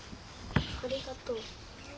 ありがとう。